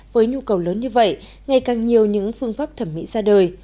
với nhu cầu lớn như vậy ngày càng nhiều những phương pháp thẩm mỹ ra đời